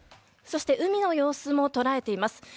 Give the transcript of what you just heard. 海の様子も捉えています。